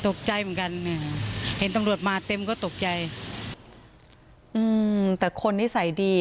ตกใจเหมือนกันอืมเห็นตำรวจมาเต็มก็ตกใจอืมแต่คนนิสัยดี